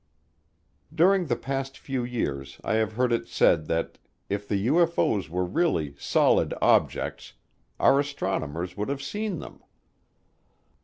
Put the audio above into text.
During the past few years I have heard it said that if the UFO's were really "solid objects" our astronomers would have seen them.